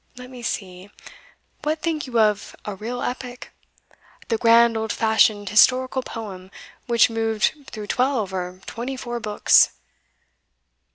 Let me see: What think you of a real epic? the grand old fashioned historical poem which moved through twelve or twenty four books.